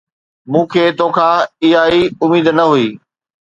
مون کي تو کان اها ئي اميد نه هئي